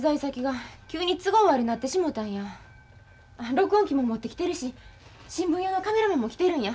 録音機も持ってきてるし新聞屋のカメラマンも来てるんや。